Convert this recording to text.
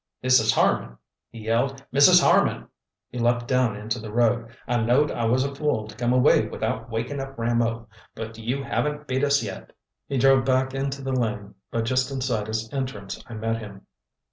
"Mrs. Harman!" he yelled. "Mrs. Harman!" He leaped down into the road. "I knowed I was a fool to come away without wakin' up Rameau. But you haven't beat us yet!" He drove back into the lane, but just inside its entrance I met him.